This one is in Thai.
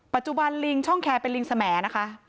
ปัจจุบันลิงช่องแคร์เป็นลิงสมนะคะ